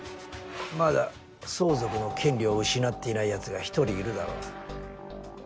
まだ相続の権利を失っていない奴が１人いるだろ？